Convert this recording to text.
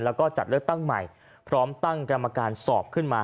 แล้วก็จัดเลือกตั้งใหม่พร้อมตั้งกรรมการสอบขึ้นมา